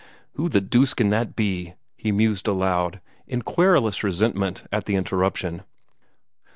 "Who the deuce can that be?" he mused aloud, in querulous resentment at the interruption.